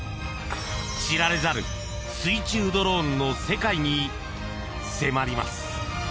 知られざる水中ドローンの世界に迫ります。